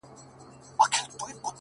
دغه جګړه ماران بل څوک نه ول